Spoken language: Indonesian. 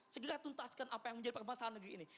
segera tuntaskan apa yang menjadi permasalahan negeri ini